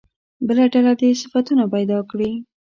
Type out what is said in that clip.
بله ډله دې صفتونه پیدا کړي.